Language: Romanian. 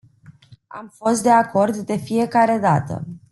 Am fost de acord de fiecare dată.